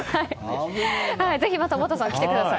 ぜひまたおばたさん、来てください。